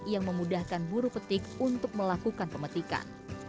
yang memudahkan buru petik untuk melakukan pemetikan